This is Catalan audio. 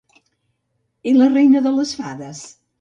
I la Reina de les Fades?